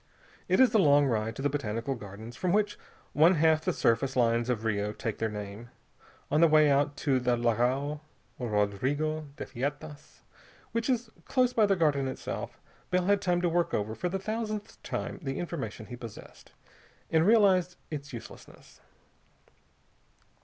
It is a long ride to the Botanical Gardens, from which one half the surface lines of Rio take their name. On the way out to the Lagao Rodrigo de Feitas, which, is close by the Garden itself, Bell had time to work over for the thousandth time the information he possessed, and realize its uselessness.